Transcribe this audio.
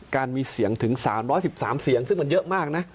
มีเสียงถึง๓๑๓เสียงซึ่งมันเยอะมากนะ